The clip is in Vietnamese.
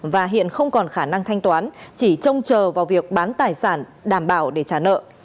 và hiện không còn khả năng thanh toán chỉ trông chờ vào việc bán tài sản đảm bảo để trả nợ